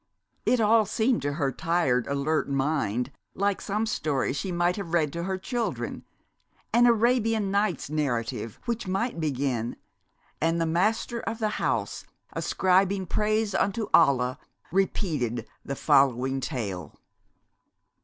It all seemed to her tired, alert mind like some story she might have read to her children, an Arabian Nights narrative which might begin, "And the Master of the House, ascribing praise unto Allah, repeated the following Tale."